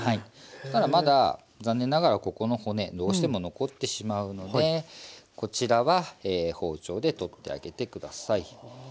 そしたらまだ残念ながらここの骨どうしても残ってしまうのでこちらは包丁で取ってあげて下さい。